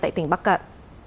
tại tỉnh bắc cạn